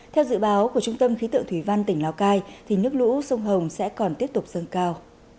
theo dự báo của trung tâm khí tượng thủy văn tỉnh lào cai thì nước lũ sông hồng sẽ còn tiếp tục dâng cao